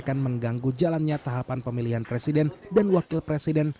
akan mengganggu jalannya tahapan pemilihan presiden dan wakil presiden